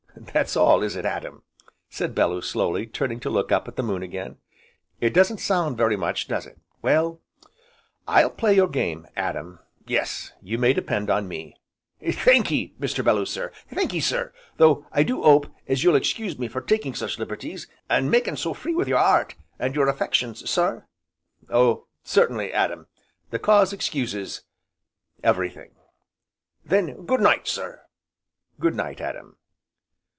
"That's all is it, Adam!" said Bellew slowly, turning to look up at the moon again. "It doesn't sound very much, does it? Well, I'll play your game, Adam, yes, you may depend upon me." "Thankee, Mr. Belloo sir, thankee sir! though I do 'ope as you'll excuse me for taking such liberties, an' making so free wi' your 'eart, and your affections, sir?" "Oh certainly, Adam! the cause excuses everything." "Then, good night, sir!" "Good night, Adam!"